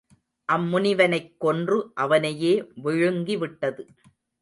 அம் முனிவனைக் கொன்று அவனையே விழுங்கி விட்டது.